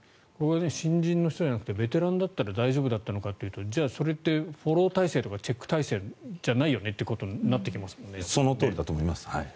新人の人じゃなくてベテランだったら大丈夫だったのかというとじゃあそれってフォロー体制とかチェック体制じゃないということになってきますもんね。